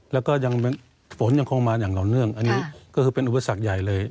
แล้วก็ยังฝนยังคงมาอย่างต่อเนื่องอันนี้ก็คือเป็นอุปสรรคใหญ่เลย